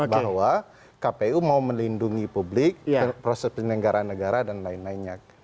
bahwa kpu mau melindungi publik proses penyelenggaraan negara dan lain lainnya